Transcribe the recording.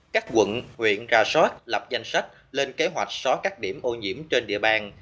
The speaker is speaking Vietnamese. các quận huyện ra soát lập danh sách lên kế hoạch xóa các điểm ô nhiễm trên địa bàn